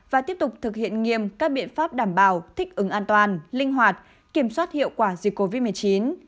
và tiếp tục thực hiện nghiêm các biện pháp đảm bảo thích ứng an toàn linh hoạt kiểm soát hiệu quả dịch covid một mươi chín